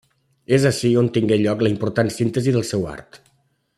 És ací on tingué lloc la important síntesi del seu art.